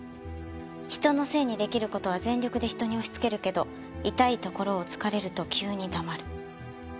人のせいにできる事は全力で人に押し付けるけど痛いところを突かれると急に黙る。